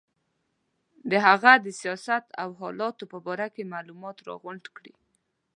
د هغه د سیاست او حالاتو په باره کې معلومات راغونډ کړي.